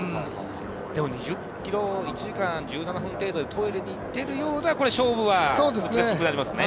でも、２０ｋｍ、１時間１７分台でトイレにいってるようではこれ、勝負は無理になりますよね。